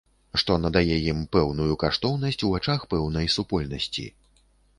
Што надае ім пэўную каштоўнасць у вачах пэўнай супольнасці.